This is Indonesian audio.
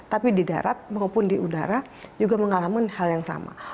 tapi di darat maupun di udara juga mengalami hal yang sama